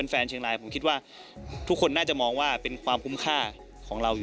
แล้วก็กำหนดทิศทางของวงการฟุตบอลในอนาคต